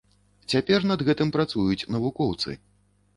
Цяпер над гэтым працуюць навукоўцы.